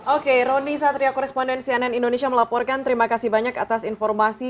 oke roni satria koresponden cnn indonesia melaporkan terima kasih banyak atas informasi